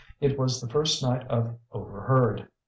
It was the first night of 'Overheard.